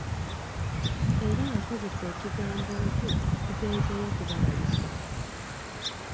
Era yakozesa ekigambo nti tugenzeeyo ‘kubalabisa.'